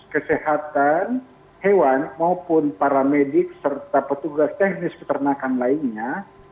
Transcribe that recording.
kesehatan hewan maupun para medik serta petugas teknis peternakan lainnya